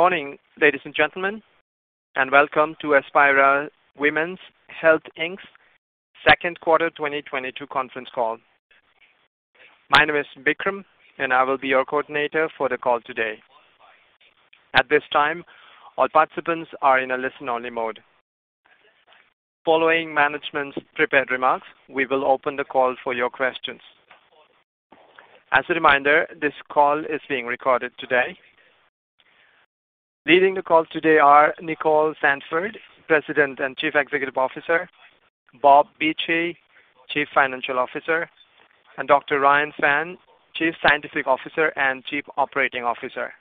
Good morning, ladies and gentlemen, and Welcome to Aspira Women's Health Inc.'s Second Quarter 2022 Conference Call. My name is Vikram, and I will be your coordinator for the call today. At this time, all participants are in a listen-only mode. Following management's prepared remarks, we will open the call for your questions. As a reminder, this call is being recorded today. Leading the call today are Nicole Sandford, President and Chief Executive Officer, Bob Beechey, Chief Financial Officer, and Dr. Ryan Phan, Chief Scientific Officer and Chief Operating Officer.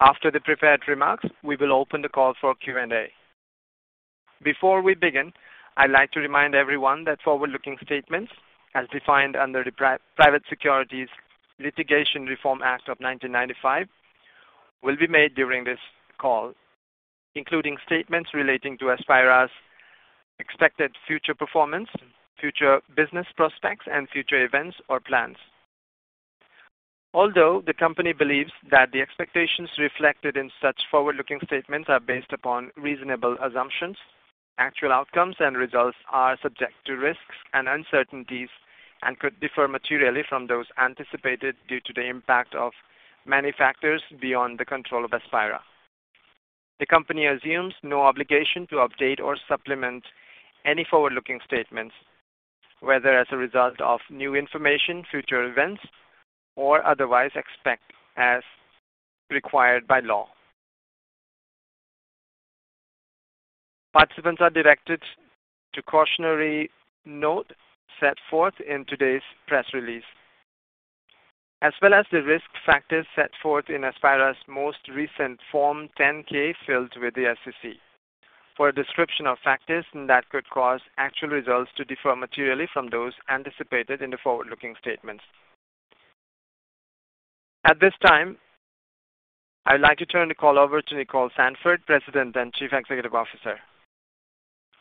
After the prepared remarks, we will open the call for Q&A. Before we begin, I'd like to remind everyone that forward-looking statements as defined under the Private Securities Litigation Reform Act of 1995 will be made during this call, including statements relating to Aspira's expected future performance, future business prospects, and future events or plans. Although the company believes that the expectations reflected in such forward-looking statements are based upon reasonable assumptions, actual outcomes and results are subject to risks and uncertainties and could differ materially from those anticipated due to the impact of many factors beyond the control of Aspira. The company assumes no obligation to update or supplement any forward-looking statements, whether as a result of new information, future events, or otherwise except as required by law. Participants are directed to cautionary note set forth in today's press release, as well as the risk factors set forth in Aspira's most recent Form 10-K filed with the SEC for a description of factors that could cause actual results to differ materially from those anticipated in the forward-looking statements. At this time, I'd like to turn the call over to Nicole Sandford, President and Chief Executive Officer.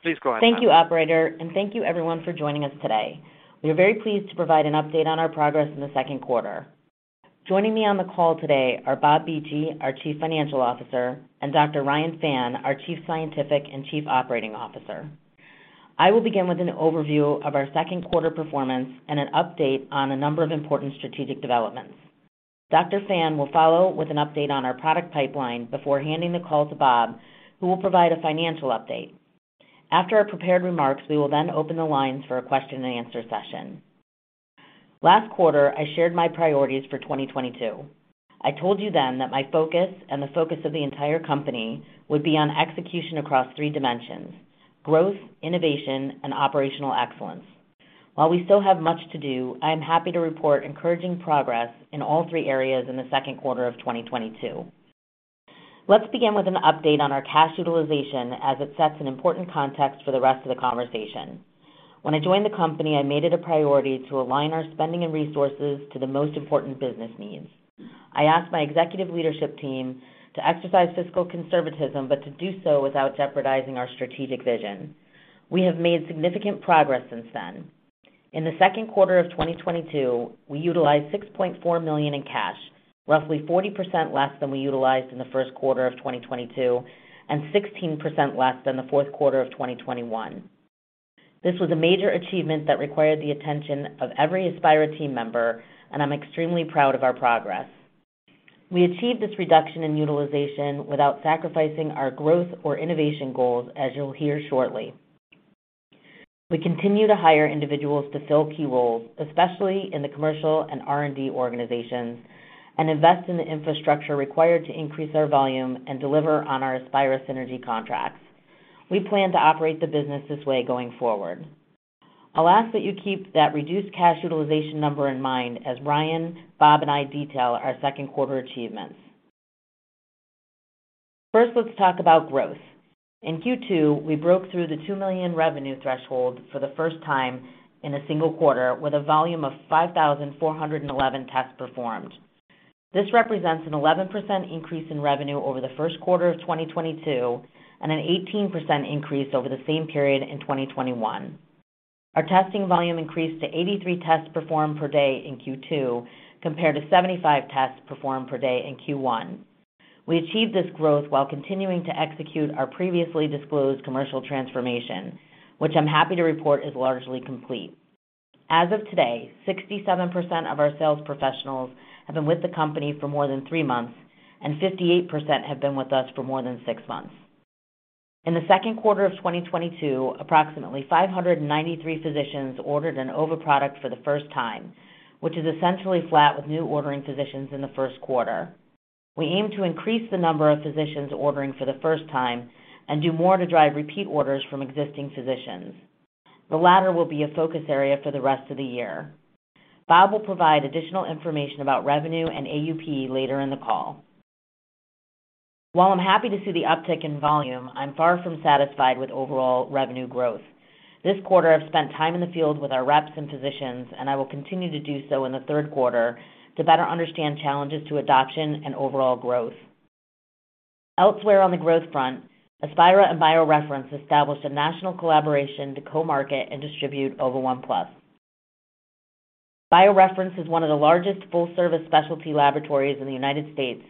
Please go ahead. Thank you, operator, and thank you everyone for joining us today. We are very pleased to provide an update on our progress in the 2nd quarter. Joining me on the call today are Bob Beechey, our Chief Financial Officer, and Dr. Ryan Phan, our Chief Scientific and Chief Operating Officer. I will begin with an overview of our 2nd quarter performance and an update on a number of important strategic developments. Dr. Phan will follow with an update on our product pipeline before handing the call to Bob, who will provide a financial update. After our prepared remarks, we will then open the lines for a question and answer session. Last quarter, I shared my priorities for 2022. I told you then that my focus and the focus of the entire company would be on execution across three dimensions, growth, innovation, and operational excellence. While we still have much to do, I am happy to report encouraging progress in all three areas in the 2nd quarter of 2022. Let's begin with an update on our cash utilization as it sets an important context for the rest of the conversation. When I joined the company, I made it a priority to align our spending and resources to the most important business needs. I asked my executive leadership team to exercise fiscal conservatism, but to do so without jeopardizing our strategic vision. We have made significant progress since then. In the 2nd quarter of 2022, we utilized $6.4 million in cash, roughly 40% less than we utilized in the 1st quarter of 2022 and 16% less than the 4th quarter of 2021. This was a major achievement that required the attention of every Aspira team member, and I'm extremely proud of our progress. We achieved this reduction in utilization without sacrificing our growth or innovation goals, as you'll hear shortly. We continue to hire individuals to fill key roles, especially in the commercial and R&D organizations, and invest in the infrastructure required to increase our volume and deliver on our Aspira Synergy contracts. We plan to operate the business this way going forward. I'll ask that you keep that reduced cash utilization number in mind as Ryan, Bob, and I detail our 2nd quarter achievements. First, let's talk about growth. In Q2, we broke through the $2 million revenue threshold for the 1st time in a single quarter with a volume of 5,411 tests performed. This represents an 11% increase in revenue over the 1st quarter of 2022 and an 18% increase over the same period in 2021. Our testing volume increased to 83 tests performed per day in Q2, compared to 75 tests performed per day in Q1. We achieved this growth while continuing to execute our previously disclosed commercial transformation, which I'm happy to report is largely complete. As of today, 67% of our sales professionals have been with the company for more than three months, and 58% have been with us for more than six months. In the 2nd quarter of 2022, approximately 593 physicians ordered an OVA product for the 1st time, which is essentially flat with new ordering physicians in the 1st quarter. We aim to increase the number of physicians ordering for the 1st time and do more to drive repeat orders from existing physicians. The latter will be a focus area for the rest of the year. Bob will provide additional information about revenue and AUP later in the call. While I'm happy to see the uptick in volume, I'm far from satisfied with overall revenue growth. This quarter, I've spent time in the field with our reps and physicians, and I will continue to do so in the 3rd quarter to better understand challenges to adoption and overall growth. Elsewhere on the growth front, Aspira and BioReference established a national collaboration to co-market and distribute Ova1Plus. BioReference is one of the largest full-service specialty laboratories in the United States,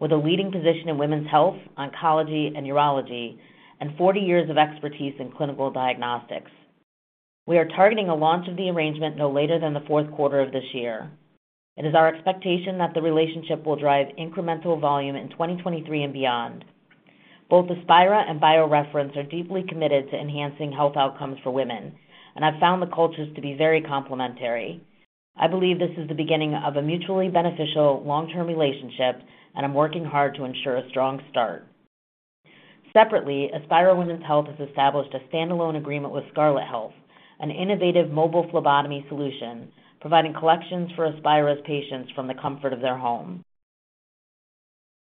with a leading position in women's health, oncology, and urology, and 40 years of expertise in clinical diagnostics. We are targeting a launch of the arrangement no later than the 4th quarter of this year. It is our expectation that the relationship will drive incremental volume in 2023 and beyond. Both Aspira and BioReference are deeply committed to enhancing health outcomes for women, and I've found the cultures to be very complementary. I believe this is the beginning of a mutually beneficial long-term relationship, and I'm working hard to ensure a strong start. Separately, Aspira Women's Health has established a standalone agreement with Scarlet Health, an innovative mobile phlebotomy solution, providing collections for Aspira's patients from the comfort of their home.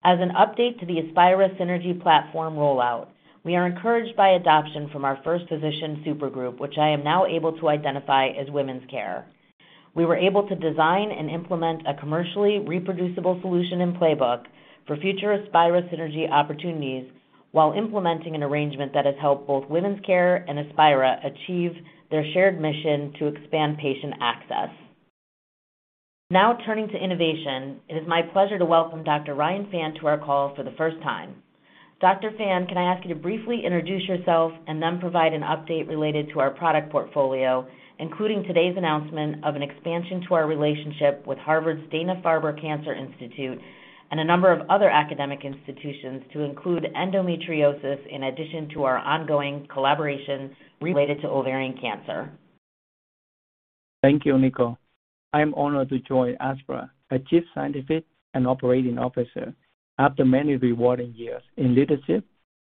As an update to the Aspira Synergy platform rollout, we are encouraged by adoption from our 1st physician super group, which I am now able to identify as Women's Care. We were able to design and implement a commercially reproducible solution in Playbook for future Aspira Synergy opportunities while implementing an arrangement that has helped both Women's Care and Aspira achieve their shared mission to expand patient access. Now turning to innovation, it is my pleasure to welcome Dr. Ryan Phan to our call for the 1st time. Dr. Phan, can I ask you to briefly introduce yourself and then provide an update related to our product portfolio, including today's announcement of an expansion to our relationship with Harvard's Dana-Farber Cancer Institute and a number of other academic institutions to include endometriosis in addition to our ongoing collaborations related to ovarian cancer? Thank you, Nicole. I am honored to join Aspira as Chief Scientific and Operating Officer after many rewarding years in leadership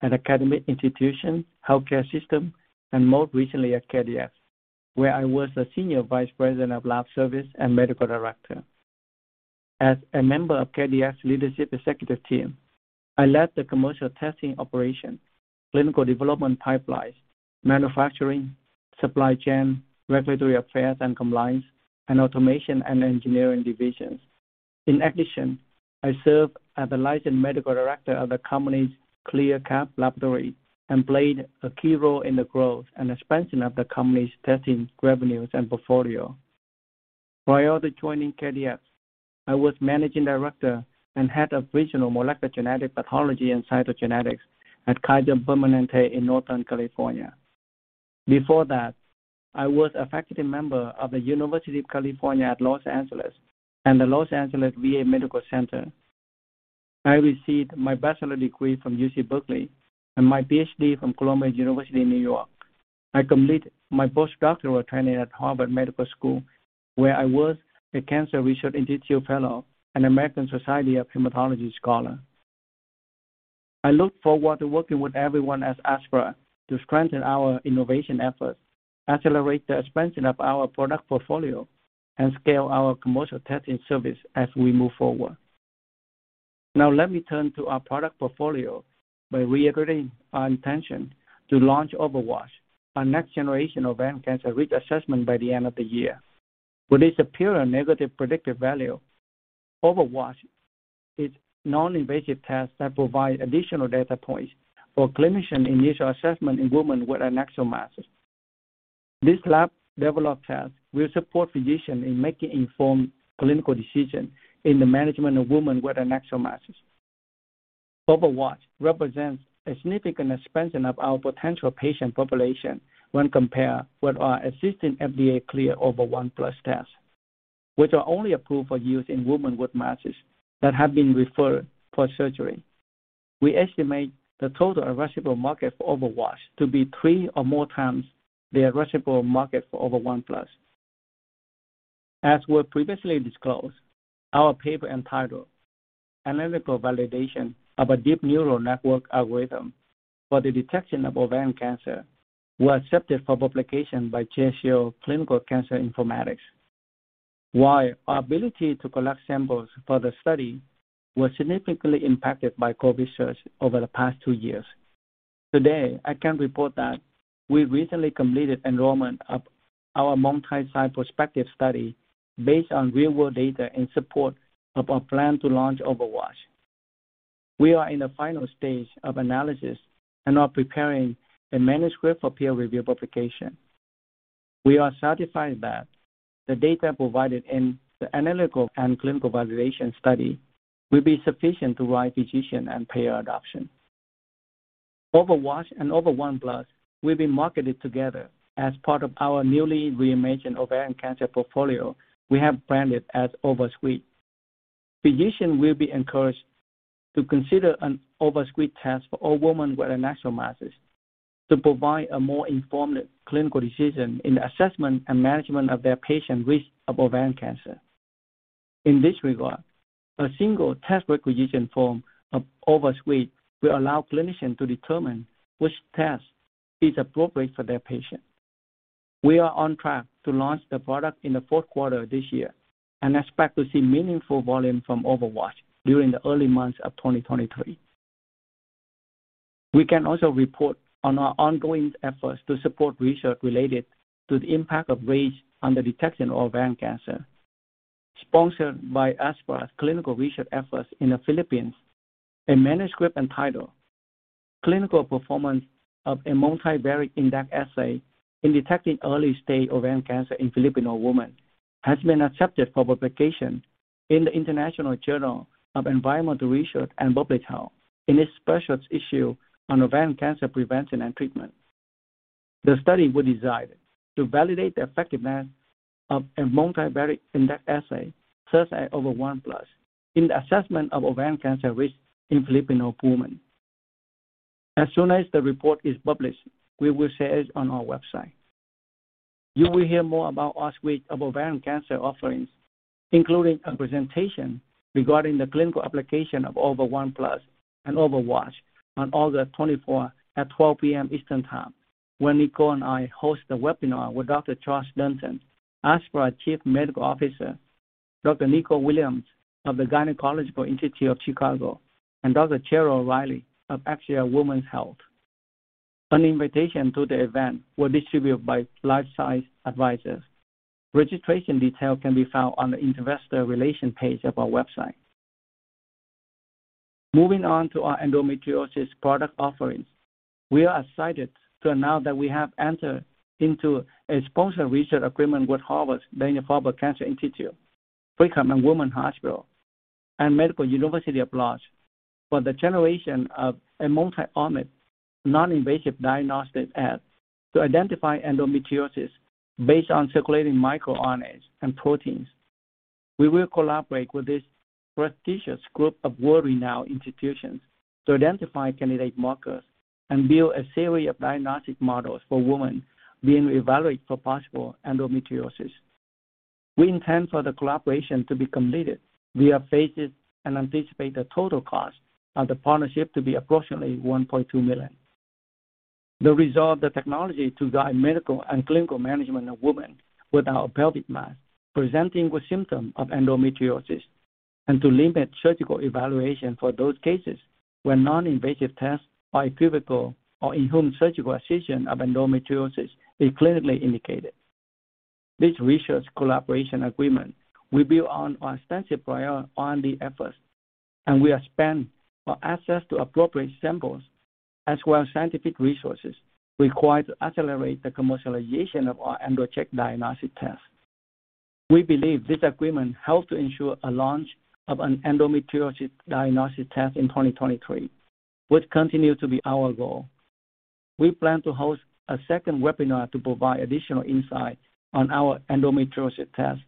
at academic institutions, healthcare systems, and most recently at KDF, where I was the Senior Vice President of Lab Services and Medical Director. As a member of KDF's leadership executive team, I led the commercial testing operation, clinical development pipelines, manufacturing, supply chain, regulatory affairs and compliance, and automation and engineering divisions. In addition, I served as the licensed medical director of the company's CLIA laboratory and played a key role in the growth and expansion of the company's testing revenues and portfolio. Prior to joining KDF, I was Managing Director and head of Regional Molecular Genetic Pathology and Cytogenetics at Kaiser Permanente in Northern California. Before that, I was a faculty member of the University of California, Los Angeles and the Los Angeles VA Medical Center. I received my bachelor degree from UC Berkeley and my PhD from Columbia University in New York. I completed my postdoctoral training at Harvard Medical School, where I was a Cancer Research Institute fellow and American Society of Hematology scholar. I look forward to working with everyone at Aspira to strengthen our innovation efforts, accelerate the expansion of our product portfolio, and scale our commercial testing service as we move forward. Now let me turn to our product portfolio by reiterating our intention to launch OvaWatch, our next generation ovarian cancer risk assessment, by the end of the year. With its superior negative predictive value, OvaWatch is non-invasive tests that provide additional data points for clinician initial assessment in women with an adnexal masses. This lab-developed test will support physicians in making informed clinical decisions in the management of women with adnexal masses. OvaWatch represents a significant expansion of our potential patient population when compared with our existing FDA-cleared Ova1Plus tests, which are only approved for use in women with masses that have been referred for surgery. We estimate the total addressable market for OvaWatch to be three or more times the addressable market for Ova1Plus. As we previously disclosed, our paper entitled "Analytical Validation of a Deep Neural Network Algorithm for the Detection of Ovarian Cancer" was accepted for publication by JCO Clinical Cancer Informatics. While our ability to collect samples for the study was significantly impacted by COVID research over the past two years. Today, I can report that we recently completed enrollment of our multi-site prospective study based on real-world data in support of our plan to launch OvaWatch. We are in the final stage of analysis and are preparing a manuscript for peer review publication. We are satisfied that the data provided in the analytical and clinical validation study will be sufficient to drive physician and payer adoption. OvaWatch and Ova1Plus will be marketed together as part of our newly reimagined ovarian cancer portfolio we have branded as OvaSuite. Physicians will be encouraged to consider an OvaSuite test for all women with adnexal masses to provide a more informed clinical decision in the assessment and management of their patient risk of ovarian cancer. In this regard, a single test requisition form of OvaSuite will allow clinicians to determine which test is appropriate for their patient. We are on track to launch the product in the 4th quarter of this year and expect to see meaningful volume from OvaWatch during the early months of 2023. We can also report on our ongoing efforts to support research related to the impact of race on the detection of ovarian cancer. Sponsored by Aspira's clinical research efforts in the Philippines, a manuscript entitled "Clinical Performance of a Multivariate Index Assay in Detecting Early Stage Ovarian Cancer in Filipino Women" has been accepted for publication in the International Journal of Environmental Research and Public Health in a special issue on ovarian cancer prevention and treatment. The study was designed to validate the effectiveness of a multivariate index assay, such as Ova1Plus, in the assessment of ovarian cancer risk in Filipino women. As soon as the report is published, we will share it on our website. You will hear more about our suite of ovarian cancer offerings, including a presentation regarding the clinical application of Ova1Plus and OvaWatch on August 24th at 12:00 A.M. Eastern Time when Nicole and I host a webinar with Dr. Charles Dunton, Aspira Chief Medical Officer, Dr. Nicole Williams of the Gynecology Institute of Chicago, and Dr. Cheryl Riley of Axia Women's Health. An invitation to the event will be distributed by LifeSci Advisors. Registration details can be found on the investor relations page of our website. Moving on to our endometriosis product offerings. We are excited to announce that we have entered into a sponsored research agreement with Harvard, Dana-Farber Cancer Institute, Brigham and Women's Hospital, and Medical University of Łódź for the generation of a multi-omic, non-invasive diagnostic aid to identify endometriosis based on circulating microRNAs and proteins. We will collaborate with this prestigious group of world-renowned institutions to identify candidate markers and build a series of diagnostic models for women being evaluated for possible endometriosis. We intend for the collaboration to be completed via phases and anticipate the total cost of the partnership to be approximately $1.2 million. The result of the technology to guide medical and clinical management of women with a pelvic mass presenting with symptoms of endometriosis, and to limit surgical evaluation for those cases where non-invasive tests are equivocal or in whom surgical excision of endometriosis is clinically indicated. This research collaboration agreement will build on our extensive prior R&D efforts, and will expand our access to appropriate samples as well as scientific resources required to accelerate the commercialization of our EndoCheck diagnostic test. We believe this agreement helps to ensure a launch of an endometriosis diagnostic test in 2023, which continues to be our goal. We plan to host a 2nd webinar to provide additional insight on our endometriosis test,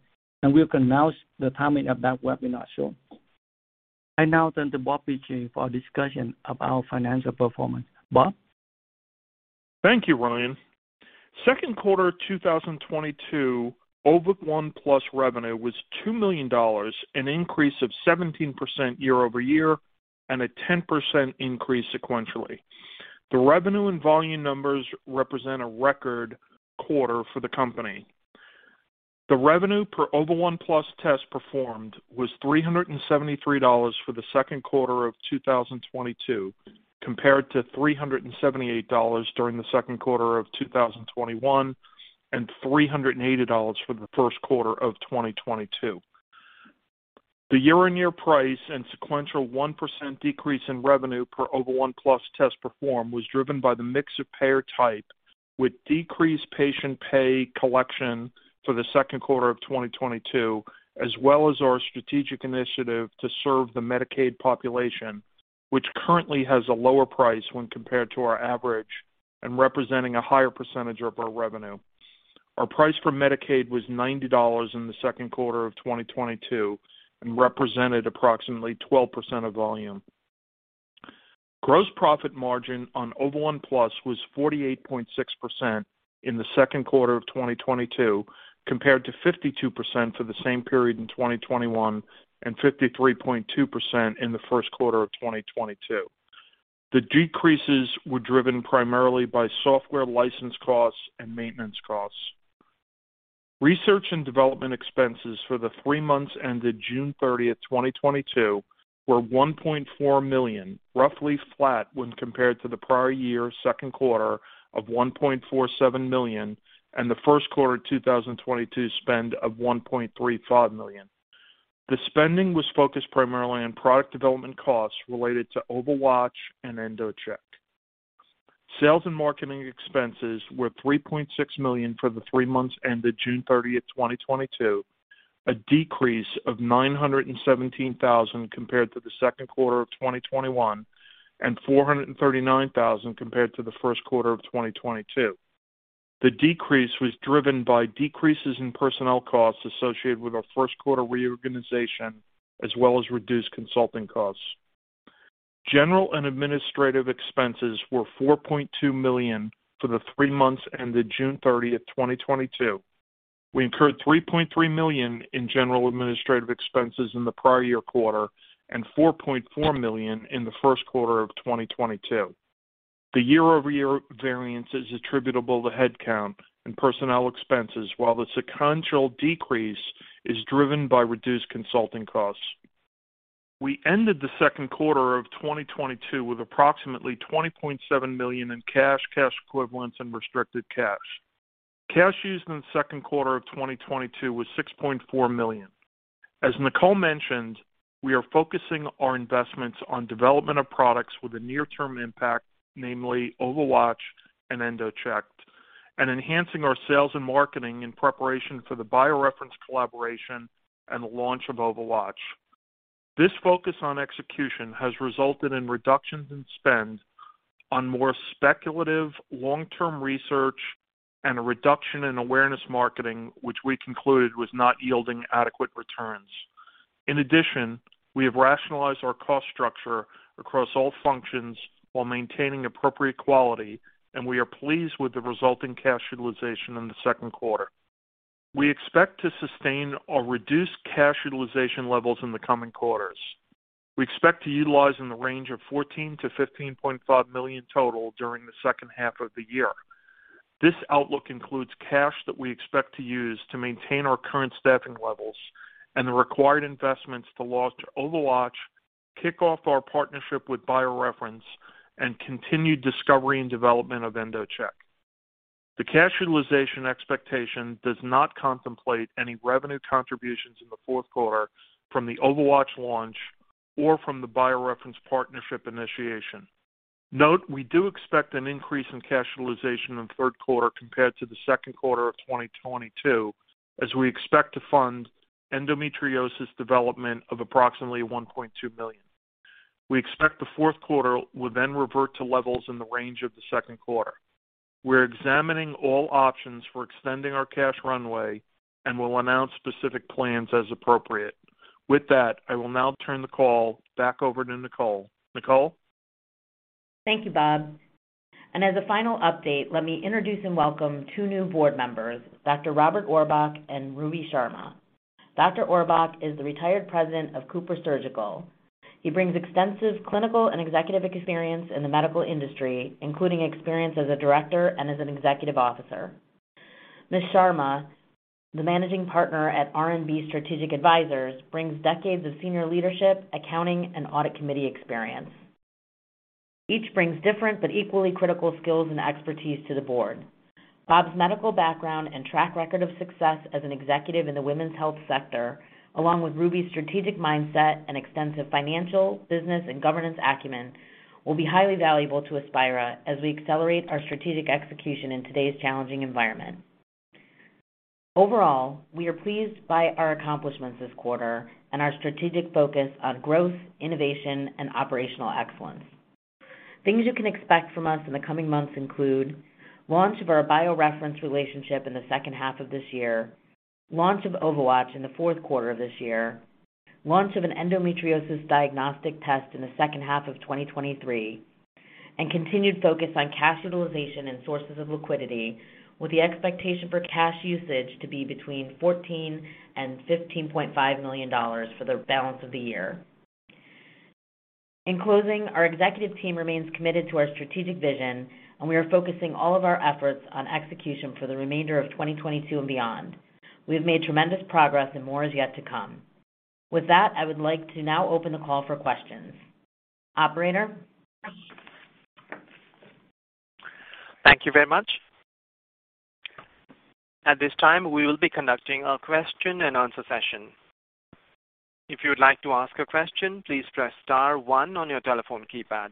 and we'll announce the timing of that webinar soon. I now turn to Bob Beechey for a discussion of our financial performance. Bob? Thank you, Ryan. Second quarter 2022, Ova1Plus revenue was $2 million, an increase of 17% year-over-year and a 10% increase sequentially. The revenue and volume numbers represent a record quarter for the company. The revenue per Ova1Plus test performed was $373 for the 2nd quarter of 2022, compared to $378 during the 2nd quarter of 2021 and $380 for the 1st quarter of 2022. The year-on-year price and sequential 1% decrease in revenue per Ova1Plus test performed was driven by the mix of payer type, with decreased patient pay collection for the 2nd quarter of 2022, as well as our strategic initiative to serve the Medicaid population, which currently has a lower price when compared to our average and representing a higher percentage of our revenue. Our price for Medicaid was $90 in the 2nd quarter of 2022 and represented approximately 12% of volume. Gross profit margin on Ova1Plus was 48.6% in the 2nd quarter of 2022, compared to 52% for the same period in 2021 and 53.2% in the 1st quarter of 2022. The decreases were driven primarily by software license costs and maintenance costs. Research and development expenses for the three months ended June 30th, 2022, were $1.4 million, roughly flat when compared to the prior year 2nd quarter of $1.47 million and the 1st quarter 2022 spend of $1.35 million. The spending was focused primarily on product development costs related to OvaWatch and EndoCheck. Sales and marketing expenses were $3.6 million for the three months ended June 30th, 2022, a decrease of $917,000 compared to the 2nd quarter of 2021 and $439,000 compared to the 1st quarter of 2022. The decrease was driven by decreases in personnel costs associated with our 1st quarter reorganization, as well as reduced consulting costs. General and administrative expenses were $4.2 million for the three months ended June 30th, 2022. We incurred $3.3 million in general administrative expenses in the prior year quarter and $4.4 million in the 1st quarter of 2022. The year-over-year variance is attributable to headcount and personnel expenses, while the sequential decrease is driven by reduced consulting costs. We ended the 2nd quarter of 2022 with approximately $20.7 million in cash equivalents, and restricted cash. Cash used in the 2nd quarter of 2022 was $6.4 million. As Nicole mentioned, we are focusing our investments on development of products with a near-term impact, namely OvaWatch and EndoCheck, and enhancing our sales and marketing in preparation for the BioReference collaboration and the launch of OvaWatch. This focus on execution has resulted in reductions in spend on more speculative long-term research and a reduction in awareness marketing, which we concluded was not yielding adequate returns. In addition, we have rationalized our cost structure across all functions while maintaining appropriate quality, and we are pleased with the resulting cash utilization in the 2nd quarter. We expect to sustain or reduce cash utilization levels in the coming quarters. We expect to utilize in the range of $14 million-$15.5 million total during the 2nd half of the year. This outlook includes cash that we expect to use to maintain our current staffing levels and the required investments to launch OvaWatch, kick off our partnership with BioReference, and continue discovery and development of EndoCheck. The cash utilization expectation does not contemplate any revenue contributions in the 4th quarter from the OvaWatch launch or from the BioReference partnership initiation. Note, we do expect an increase in cash utilization in 3rd quarter compared to the 2nd quarter of 2022, as we expect to fund endometriosis development of approximately $1.2 million. We expect the 4th quarter will then revert to levels in the range of the 2nd quarter. We're examining all options for extending our cash runway and will announce specific plans as appropriate. With that, I will now turn the call back over to Nicole. Nicole. Thank you, Bob. As a final update, let me introduce and welcome two new board members, Dr. Robert Orbach and Ruby Sharma. Dr. Orbach is the retired president of CooperSurgical. He brings extensive clinical and executive experience in the medical industry, including experience as a director and as an executive officer. Ms. Sharma, the managing partner at RNB Strategic Advisors, brings decades of senior leadership, accounting, and audit committee experience. Each brings different but equally critical skills and expertise to the board. Bob's medical background and track record of success as an executive in the women's health sector, along with Ruby's strategic mindset and extensive financial, business, and governance acumen, will be highly valuable to Aspira as we accelerate our strategic execution in today's challenging environment. Overall, we are pleased by our accomplishments this quarter and our strategic focus on growth, innovation, and operational excellence. Things you can expect from us in the coming months include launch of our BioReference relationship in the 2nd half of this year, launch of OvaWatch in the 4th quarter of this year, launch of an endometriosis diagnostic test in the 2nd half of 2023, and continued focus on cash utilization and sources of liquidity with the expectation for cash usage to be between $14 million and $15.5 million for the balance of the year. In closing, our executive team remains committed to our strategic vision, and we are focusing all of our efforts on execution for the remainder of 2022 and beyond. We have made tremendous progress and more is yet to come. With that, I would like to now open the call for questions. Operator? Thank you very much. At this time, we will be conducting a question and answer session. If you would like to ask a question, please press star one on your telephone keypad.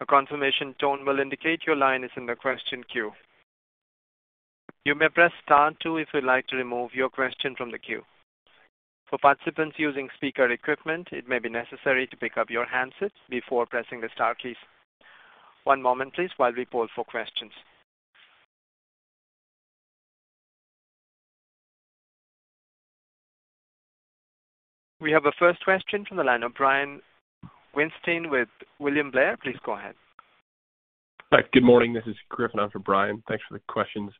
A confirmation tone will indicate your line is in the question queue. You may press star two if you'd like to remove your question from the queue. For participants using speaker equipment, it may be necessary to pick up your handsets before pressing the star keys. One moment, please, while we poll for questions. We have a 1st question from the line of Brian Weinstein with William Blair. Please go ahead. Hi. Good morning. This is Griffin on for Brian. Thanks for the questions.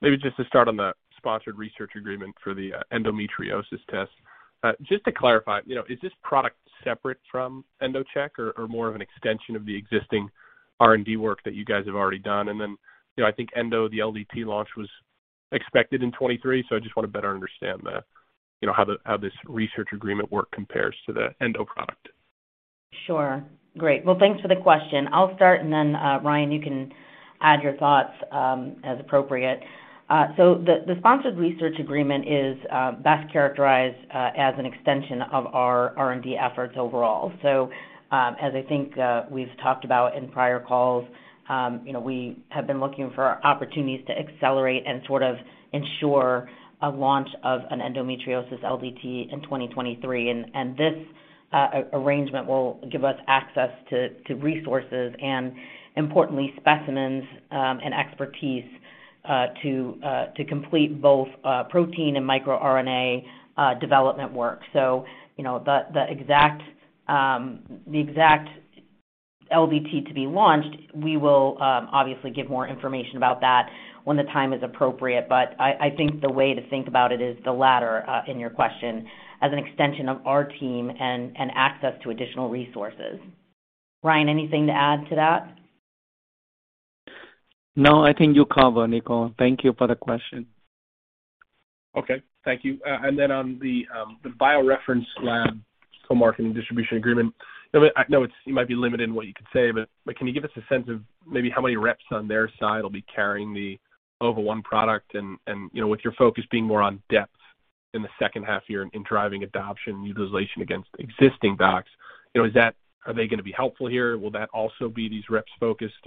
Maybe just to start on the sponsored research agreement for the endometriosis test. Just to clarify, you know, is this product separate from EndoCheck or more of an extension of the existing R&D work that you guys have already done? You know, I think Endo, the LDT launch was expected in 2023, so I just want to better understand you know, how this research agreement work compares to the Endo product. Sure. Great. Well, thanks for the question. I'll start and then, Ryan, you can add your thoughts, as appropriate. The sponsored research agreement is best characterized as an extension of our R&D efforts overall. As I think, we've talked about in prior calls, you know, we have been looking for opportunities to accelerate and sort of ensure a launch of an endometriosis LDT in 2023. This arrangement will give us access to resources and importantly specimens, and expertise, to complete both protein and microRNA development work. You know, the exact LDT to be launched, we will obviously give more information about that when the time is appropriate. I think the way to think about it is the latter, in your question, as an extension of our team and access to additional resources. Ryan, anything to add to that? No, I think you covered, Nicole. Thank you for the question. Okay. Thank you. Then on the BioReference Laboratories co-marketing distribution agreement. I know it's you might be limited in what you could say, but can you give us a sense of maybe how many reps on their side will be carrying the Ova1 product and, you know, with your focus being more on depth in the 2nd half year in driving adoption utilization against existing docs. You know, is that? Are they gonna be helpful here? Will that also be these reps focused?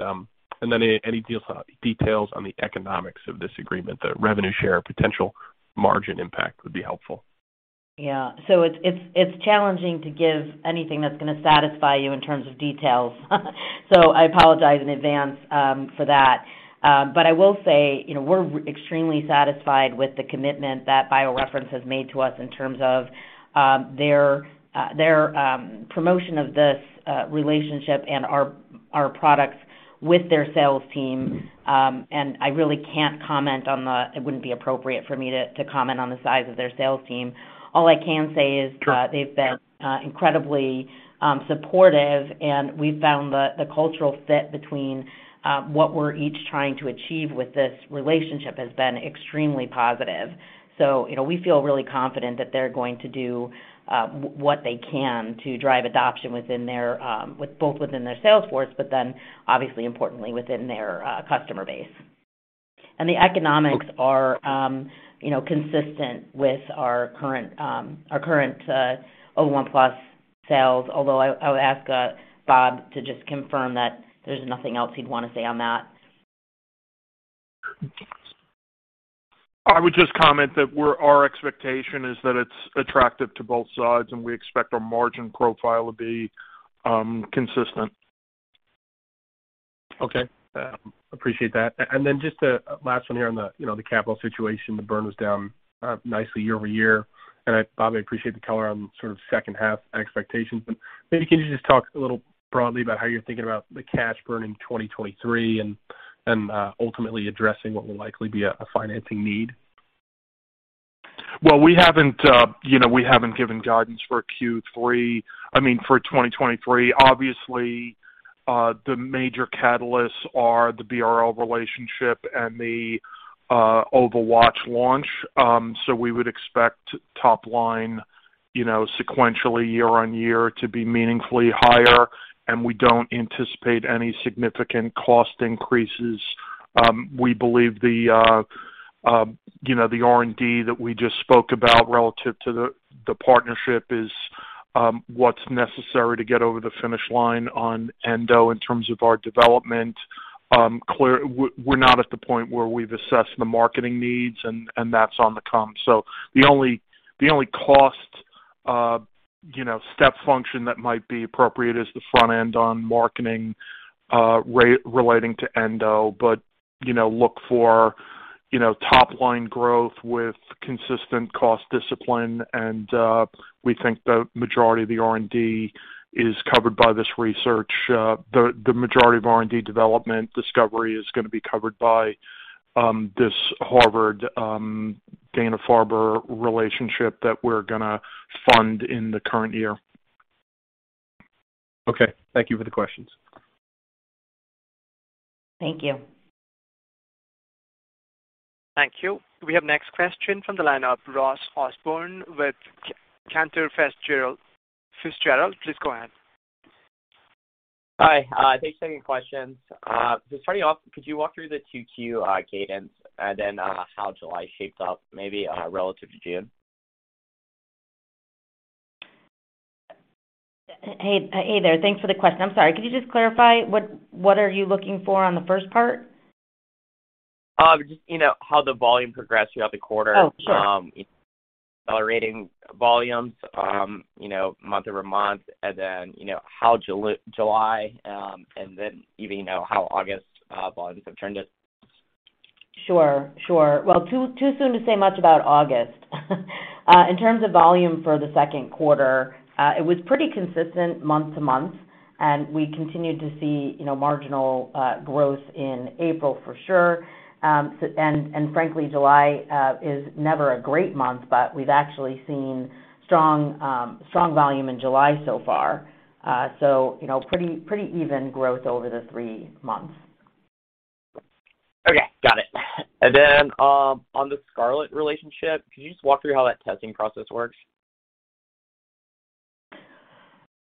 And then any deals details on the economics of this agreement, the revenue share potential margin impact would be helpful. Yeah. It's challenging to give anything that's gonna satisfy you in terms of details. I apologize in advance for that. But I will say, you know, we're extremely satisfied with the commitment that BioReference has made to us in terms of their promotion of this relationship and our products with their sales team. I really can't comment. It wouldn't be appropriate for me to comment on the size of their sales team. All I can say is- Sure. They've been incredibly supportive, and we found the cultural fit between what we're each trying to achieve with this relationship has been extremely positive. You know, we feel really confident that they're going to do what they can to drive adoption within their sales force, but then obviously importantly within their customer base. The economics are, you know, consistent with our current Ova1Plus sales. Although I would ask Bob to just confirm that there's nothing else he'd wanna say on that. I would just comment that our expectation is that it's attractive to both sides, and we expect our margin profile to be consistent. Okay. Appreciate that. And then just a last one here on the, you know, the capital situation. The burn was down nicely year-over-year. Bob, I appreciate the color on sort of 2nd half expectations, but maybe can you just talk a little broadly about how you're thinking about the cash burn in 2023 and ultimately addressing what will likely be a financing need? Well, we haven't, you know, we haven't given guidance for Q3—I mean, for 2023. Obviously, the major catalysts are the BRL relationship and the OvaWatch launch. We would expect top line, you know, sequentially year on year to be meaningfully higher, and we don't anticipate any significant cost increases. We believe the R&D that we just spoke about relative to the partnership is what's necessary to get over the finish line on Endo in terms of our development. We're not at the point where we've assessed the marketing needs, and that's on the come. The only cost step function that might be appropriate is the front end on marketing relating to Endo. You know, look for top line growth with consistent cost discipline and we think the majority of the R&D is covered by this research. The majority of R&D development discovery is gonna be covered by this Harvard Dana-Farber relationship that we're gonna fund in the current year. Okay. Thank you for the questions. Thank you. Thank you. We have next question from the line of Ross Osborn with Cantor Fitzgerald. Osborn, please go ahead. Hi. Thanks for taking the questions. Just starting off, could you walk through the 2Q cadence and then how July shaped up maybe relative to June? Hey there. Thanks for the question. I'm sorry. Could you just clarify what are you looking for on the 1st part? Just, you know, how the volume progressed throughout the quarter. Oh, sure. Accelerating volumes, you know, month-over-month, and then, you know, how July, and then even, you know, how August volumes have turned it. Sure. Well, too soon to say much about August. In terms of volume for the 2nd quarter, it was pretty consistent month-to-month, and we continued to see, you know, marginal growth in April for sure. Frankly, July is never a great month, but we've actually seen strong volume in July so far. You know, pretty even growth over the three months. Okay, got it. On the Scarlet relationship, could you just walk through how that testing process works?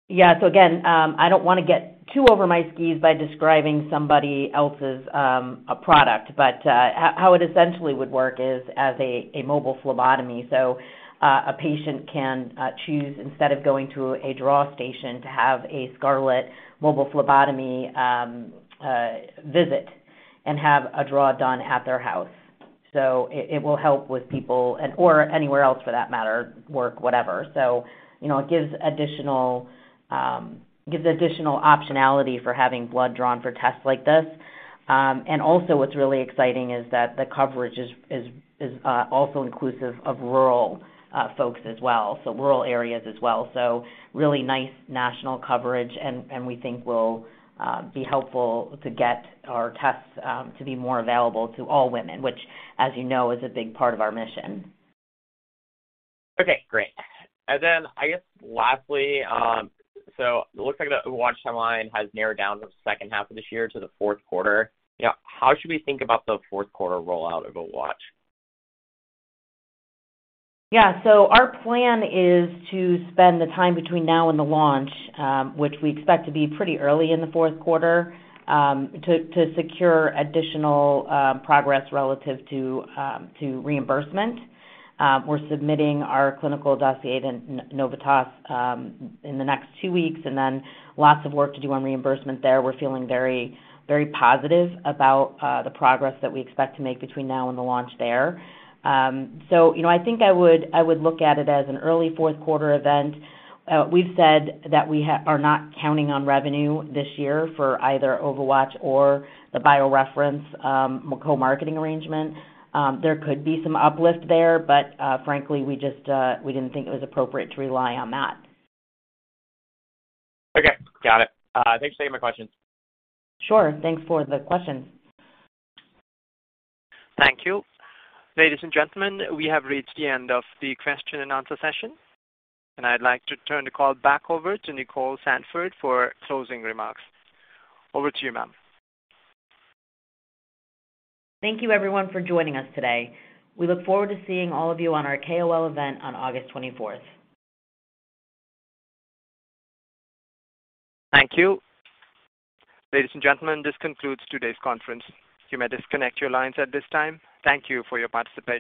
Yeah. Again, I don't wanna get too over my skis by describing somebody else's product, but how it essentially would work is as a mobile phlebotomy. A patient can choose, instead of going to a draw station, to have a Scarlet mobile phlebotomy visit and have a draw done at their house. It will help with people and/or anywhere else for that matter, work, whatever. You know, it gives additional optionality for having blood drawn for tests like this. Also what's really exciting is that the coverage is also inclusive of rural folks as well, so rural areas as well. Really nice national coverage and we think will be helpful to get our tests to be more available to all women, which, as you know, is a big part of our mission. Okay, great. I guess lastly, so it looks like the OvaWatch timeline has narrowed down from the 2nd half of this year to the 4th quarter. You know, how should we think about the 4th quarter rollout of OvaWatch? Our plan is to spend the time between now and the launch, which we expect to be pretty early in the 4th quarter, to secure additional progress relative to reimbursement. We're submitting our clinical dossier in Novitas in the next two weeks, and then lots of work to do on reimbursement there. We're feeling very positive about the progress that we expect to make between now and the launch there. You know, I think I would look at it as an early 4th quarter event. We've said that we are not counting on revenue this year for either OvaWatch or the BioReference co-marketing arrangement. There could be some uplift there, but frankly, we just didn't think it was appropriate to rely on that. Okay, got it. Thanks for taking my questions. Sure. Thanks for the question. Thank you. Ladies and gentlemen, we have reached the end of the question and answer session, and I'd like to turn the call back over to Nicole Sandford for closing remarks. Over to you, ma'am. Thank you everyone for joining us today. We look forward to seeing all of you on our KOL event on August 24th. Thank you. Ladies and gentlemen, this concludes today's conference. You may disconnect your lines at this time. Thank you for your participation.